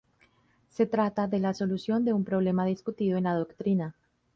Se trata de la solución de un problema discutido en la doctrina.